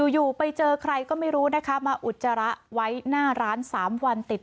อยู่ไปเจอใครก็ไม่รู้นะคะมาอุจจาระไว้หน้าร้าน๓วันติด